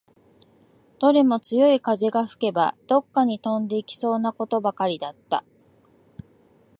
どれも強い風が吹けば、どっかに飛んでいきそうなことばかりだった